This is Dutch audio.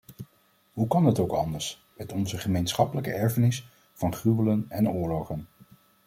Hoe kan het ook anders, met onze gemeenschappelijke erfenis van gruwelen en oorlogen?